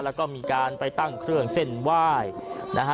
แล้วก็มีการไปตั้งเครื่องเส้นไหว้นะฮะ